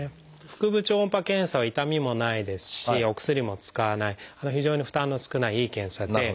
腹部超音波検査は痛みもないですしお薬も使わない非常に負担の少ないいい検査で。